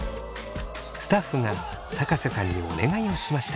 スタッフが瀬さんにお願いをしました。